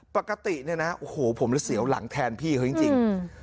ปกติเนี่ยนะโอ้โหผมเสียวหลังแทนพี่เขาจริง